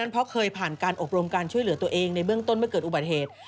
เพราะเคยผ่านการอบรมการช่วยเหลือตัวเองในเบื้องต้นเมื่อเกิดอุบัติเหตุ